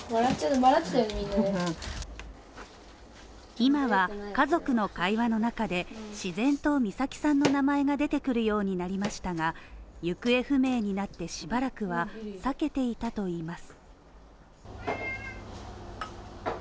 今は家族の会話の中で自然と美咲さんの名前が出てくるようになりましたが、行方不明になってしばらくは避けていたといいます。